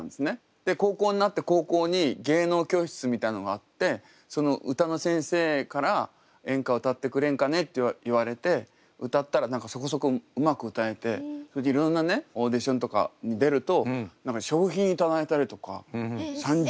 高校になって高校に芸能教室みたいなのがあって歌の先生から「演歌を歌ってくれんかね」と言われて歌ったら何かそこそこうまく歌えてそれでいろんなオーディションとかに出ると賞品頂いたりとか３０。